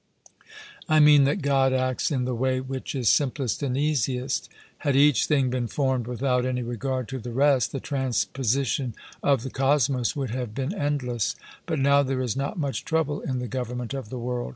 I mean that God acts in the way which is simplest and easiest. Had each thing been formed without any regard to the rest, the transposition of the Cosmos would have been endless; but now there is not much trouble in the government of the world.